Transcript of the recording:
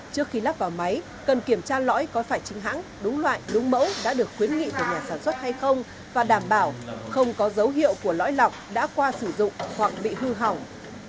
trước khi lắp vào máy cần kiểm tra lõi có phải chính hãng đúng loại đúng mẫu đã được khuyến nghị từ nhà sản xuất hay không và đảm bảo không có dấu hiệu của lõi lọc đã qua sử dụng hoặc bị hư hỏng